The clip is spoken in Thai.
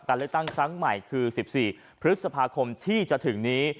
เลือกตั้งครั้งใหม่คือ๑๔พฤษภาคมที่จะถึงนี้